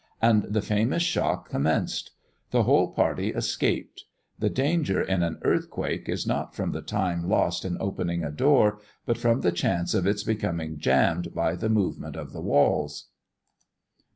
and the famous shock commenced. The whole party escaped. The danger in an earthquake is not from the time lost in opening a door, but from the chance of its becoming jammed by the movement of the walls.